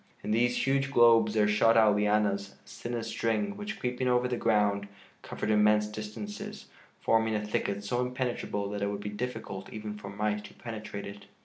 In these huge globes there shot out lianas as thin as string, which, creeping over the ground, covered immense distances, forming a thicket so impenetrable that it would be difficult even for mice to penetrate it.